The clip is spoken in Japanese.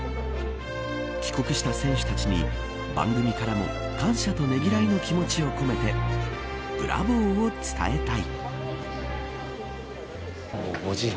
帰国した選手たちに番組からも感謝とねぎらいの気持ちを込めてブラボーを伝えたい。